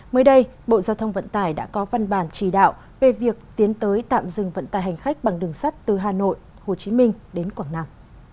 mới đây bộ giao thông vận tải đã có văn bản chỉ đạo về việc tiến tới tạm dừng vận tài hành khách bằng đường sắt từ hà nội hồ chí minh đến quảng nam